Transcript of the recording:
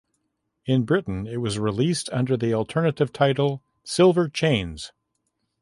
In Britain it was released under the alternative title Silver Chains.